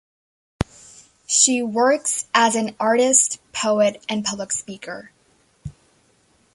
She works as an artist, poet, and public speaker.